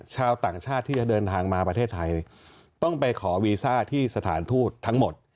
ชาวต่างชาติที่จะเดินทางมาประเทศไทยต้องไปขอวีซ่าที่สถานทูตทั้งหมด